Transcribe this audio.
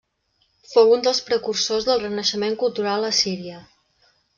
Fou un dels precursors del renaixement cultural a Síria.